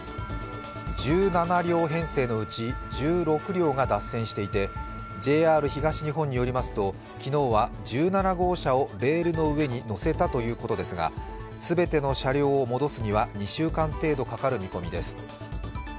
１７両編成のうち１６両が脱線していてＪＲ東日本によりますと昨日は１７号車をレールの上に載せたということですが全ての車両を戻すには２週間程度かかる見込みです。